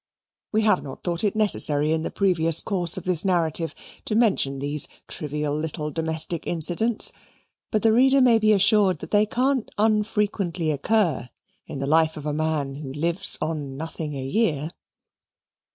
We have not thought it necessary in the previous course of this narrative to mention these trivial little domestic incidents: but the reader may be assured that they can't unfrequently occur in the life of a man who lives on nothing a year.